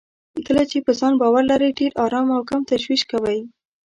کله چې په ځان باور ولرئ، ډېر ارام او کم تشويش کوئ.